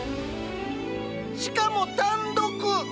しかも単独！